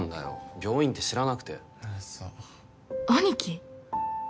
病院って知らなくてあっそう兄貴？